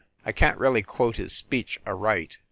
I can t really quote his speech aright.